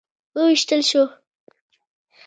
وویشتل شو.